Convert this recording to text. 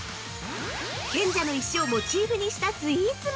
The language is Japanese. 賢者の石をモチーフにしたスイーツも！